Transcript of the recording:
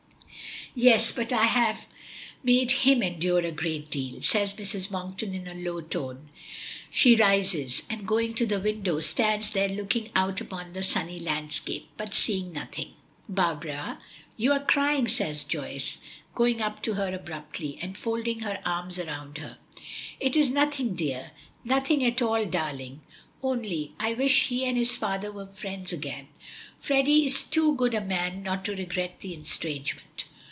"Yes, but I have made him endure a great deal," says Mrs. Monkton in a low tone. She rises, and going to the window, stands there looking out upon the sunny landscape, but seeing nothing. "Barbara! you are crying," says Joyce, going up to her abruptly, and folding her arms round her. "It is nothing, dear. Nothing at all, darling. Only I wish he and his father were friends again. Freddy is too good a man not to regret the estrangement."